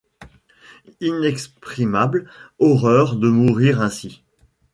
Inexprimable horreur de mourir ainsi !